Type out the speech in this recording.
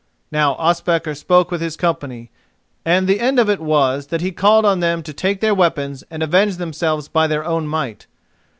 Now Ospakar spoke with his company, and the end of it was that he called on them to take their weapons and avenge themselves by their own might.